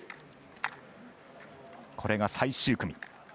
これが最終組。